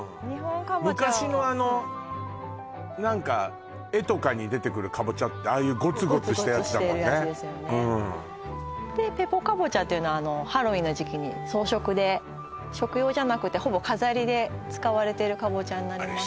昔のあの何か絵とかに出てくるカボチャってああいうゴツゴツしたやつだもんねでペポカボチャというのはハロウィーンの時期に装飾で食用じゃなくてほぼ飾りで使われてるカボチャになります